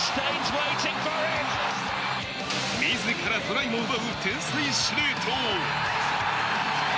自らトライも奪う天才司令塔。